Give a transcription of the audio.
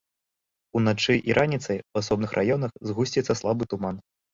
Уначы і раніцай у асобных раёнах згусціцца слабы туман.